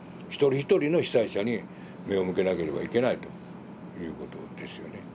一人一人の被災者に目を向けなければいけないということですよね。